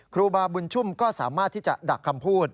ครูบาบุญชุ่มก็สามารถที่จะดักคำพูด